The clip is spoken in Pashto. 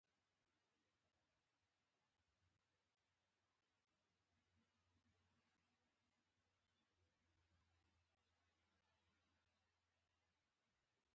د نباتاتو د اړتیاوو عنصرونو سره باید آشنا شو.